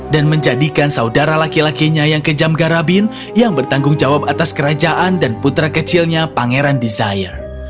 dan menjadikan saudara laki lakinya yang kejam garabin yang bertanggung jawab atas kerajaan dan putra kecilnya pangeran desire